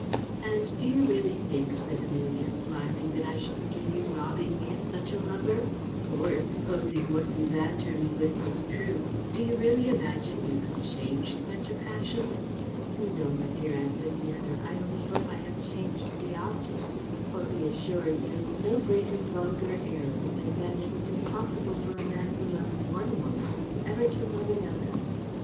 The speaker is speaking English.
"And do you really think," said Amelia, smiling, "that I shall forgive you robbing me of such a lover? or, supposing what you banter me with was true, do you really imagine you could change such a passion?" "No, my dear," answered the other; "I only hope I have changed the object; for be assured, there is no greater vulgar error than that it is impossible for a man who loves one woman ever to love another.